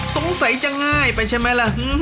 สงสัยจะง่ายไปใช่ไหมล่ะ